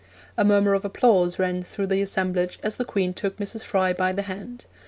A murmur of applause ran through the assemblage as the Queen took Mrs. Fry by the hand.